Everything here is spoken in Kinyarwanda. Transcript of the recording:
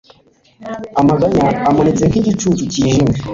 Amaganya amanitse nkigicu cyijimye